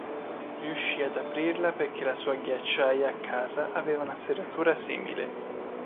Riuscì ad aprirla perché la sua ghiacciaia a casa aveva una serratura simile.